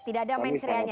tidak ada menstruanya